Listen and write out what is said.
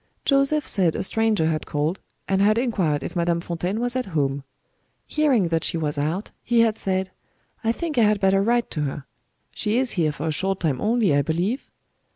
Joseph said a stranger had called, and had inquired if Madame Fontaine was at home. Hearing that she was out, he had said, 'I think I had better write to her. She is here for a short time only, I believe?'